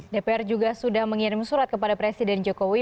dpr juga sudah mengirim surat kepada presiden jokowi